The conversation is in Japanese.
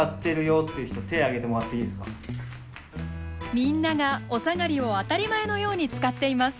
みんながおさがりを当たり前のように使っています。